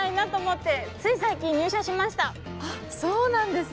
あっそうなんですね！